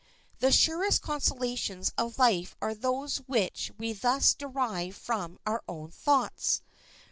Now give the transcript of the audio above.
The surest consolations of life are those which we thus derive from our own thoughts.